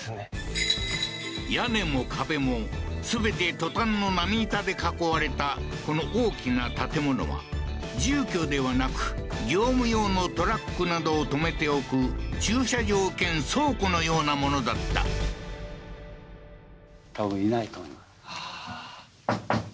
屋根も壁も全てトタンの波板で囲われたこの大きな建物は住居ではなく業務用のトラックなどを止めておく駐車場兼倉庫のようなものだったあ